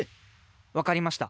わかりました。